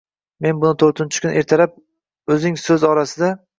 Men buni to‘rtinchi kuni ertalab, o‘zing so‘z orasida: